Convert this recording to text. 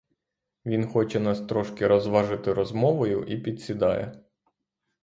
Він хоче нас трошки розважити розмовою і підсідає.